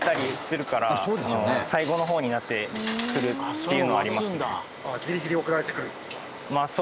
っていうのはありますね。